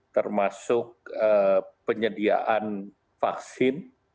termasuk penyediaan vaksin